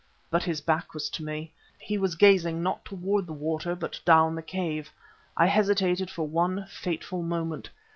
But his back was to me; he was gazing not towards the water, but down the cave. I hesitated for one fateful moment.